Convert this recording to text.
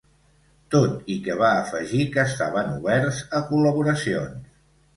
Tot i que va afegir que estaven oberts a col·laboracions.